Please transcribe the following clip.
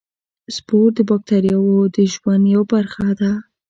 سپور د باکتریاوو د ژوند یوه برخه ده.